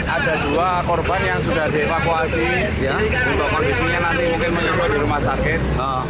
ada dua korban yang sudah dievakuasi untuk kondisinya nanti mungkin menyeruak di rumah sakit